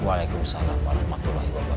waalaikumsalam warahmatullahi wabarakatuh